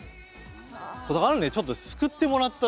ある意味ねちょっと救ってもらった。